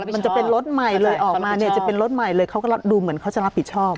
มันจะเป็นรถใหม่เลยออกมาเนี่ยจะเป็นรถใหม่เลยเขาก็ดูเหมือนเขาจะรับผิดชอบ